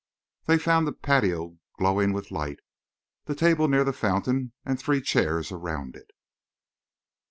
They found the patio glowing with light, the table near the fountain, and three chairs around it.